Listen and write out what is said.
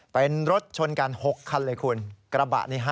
เป็นรถชนการ๖คันเลยคุณ